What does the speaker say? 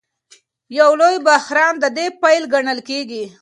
یو لوی بحران د دې پیل ګڼل کېږي.